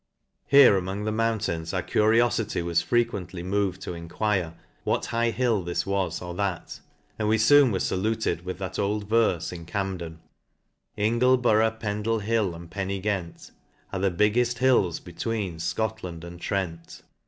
Here, among the mountains, our curiofity was. frequently moved to enquire what high hill this was,, or that ; and we fooja were faluted with that old verfe m Camden j Ingleborough, Pendle hill, and Penigent, Are the higheft hills between Scotland and Trent.